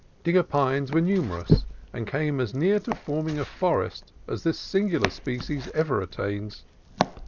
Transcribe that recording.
Digger pines were numer ous, and came as near to forming a forest as this singular species ever attains.